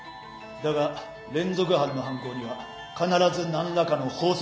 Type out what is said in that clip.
だが連続犯の犯行には必ず何らかの法則がある。